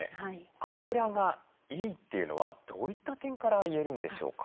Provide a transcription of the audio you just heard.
あぶらがいいというのはどういった点から言えるんでしょうか？